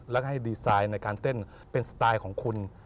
แล้วก็ให้รายการแทนเป็นสไตล์ของคุณ